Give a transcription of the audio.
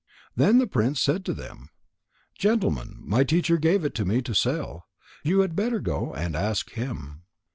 Then the prince said to them: "Gentlemen, my teacher gave it to me to sell. You had better go and ask him."